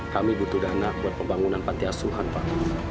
kami butuh dana buat pembangunan pantiasuhan pak